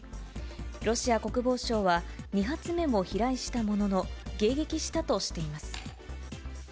ロシア国防省は２発目も飛来したものの、迎撃したとしています。